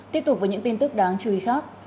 tiếp tục với những tin tức đáng chú ý khác